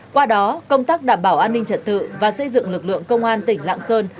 qua đó công tác đảm bảo an ninh trật tự và xây dựng lực lượng công an tỉnh lạng sơn